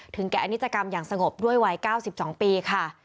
ถึงแก่นิจกรรมอย่างสงบด้วยวัยเก้าสิบสองปีค่ะ